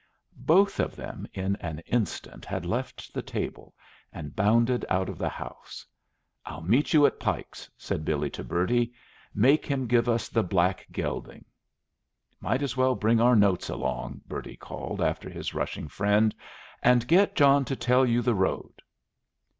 Both of them in an instant had left the table and bounded out of the house. "I'll meet you at Pike's," said Billy to Bertie. "Make him give us the black gelding." "Might as well bring our notes along," Bertie called after his rushing friend; "and get John to tell you the road."